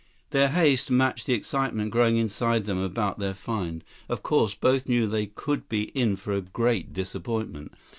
Their haste matched the excitement growing inside them about their find. Of course, both knew they could be in for a great disappointment.